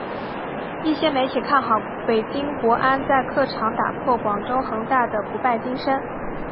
一些媒体看好北京国安在客场打破广州恒大的不败金身。